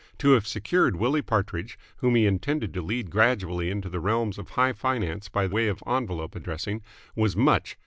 To have secured Willie Partridge, whom he intended to lead gradually into the realms of high finance by way of envelope addressing, was much.